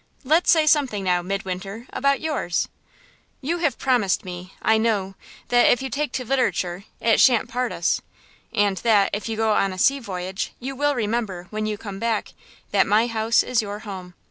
"Let's say something now, Midwinter, about yours. You have promised me, I know, that, if you take to literature, it shan't part us, and that, if you go on a sea voyage, you will remember, when you come back, that my house is your home.